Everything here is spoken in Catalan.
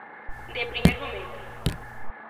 De primer moment.